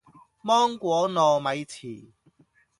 芒果糯米糍